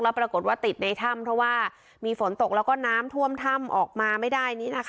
และปรากฏว่าติดในถ้ำเพราะว่ามีฝนตกและแบบน้ำท่วมถ้ำออกมาไม่ได้